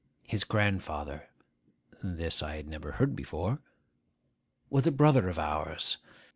His grandfather' (this I had never heard before) 'was a brother of ours.